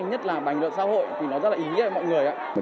nhất là bài hình luận xã hội thì nó rất là ý nghĩa với mọi người